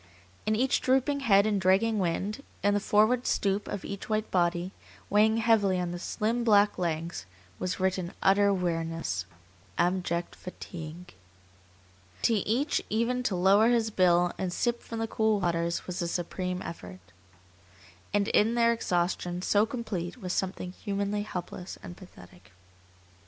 In each drooping head and dragging wing, in the forward stoop of each white body, weighing heavily on the slim, black legs, was written utter weariness, abject fatigue. To each even to lower his bill and sip from the cool waters was a supreme effort. And in their exhaustion so complete was something humanly helpless and pathetic.